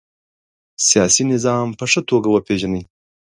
سیاسي نظام په ښه توګه وپيژنئ.